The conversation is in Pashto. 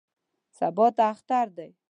سبا ته اختر دی.